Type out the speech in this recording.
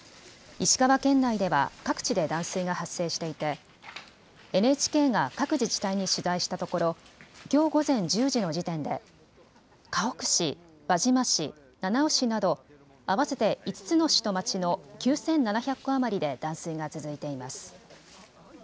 石川県内では各地で断水が発生していてＮＨＫが各自治体に取材したところ、きょう午前１０時の時点でかほく市、輪島市、七尾市など合わせて５つの市と町の９７００戸余りで断水が続いています。